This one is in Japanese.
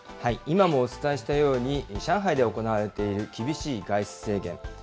今もお伝えしたように、上海で行われている厳しい外出制限。